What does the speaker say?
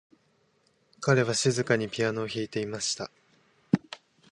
彼は静かにピアノを弾いていました。